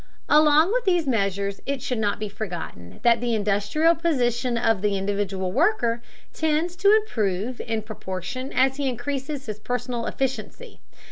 Along with these measures it should not be forgotten that the industrial position of the individual worker tends to improve in proportion as he increases his personal efficiency.